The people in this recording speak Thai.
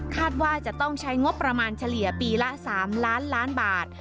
ว่าจะต้องใช้งบประมาณเฉลี่ยปีละ๓ล้านล้านบาท